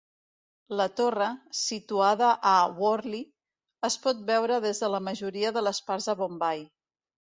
La torre, situada a Worli, es pot veure des de la majoria de les parts de Bombai.